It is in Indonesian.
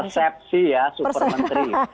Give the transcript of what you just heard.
persepsi ya supermentri